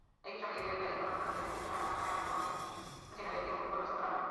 একই সঙ্গে কেলেঙ্কারির ঘটনা তদন্তের নেতৃত্বে থাকা অ্যাটর্নি জেনারেলকেও বরখাস্ত করা হয়।